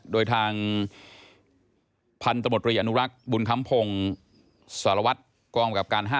โดยทางพันธมตรีอนุรักษ์บุญคำพงศ์สารวัตรกองกำกับการ๕